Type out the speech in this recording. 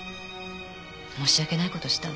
申し訳ない事したわ。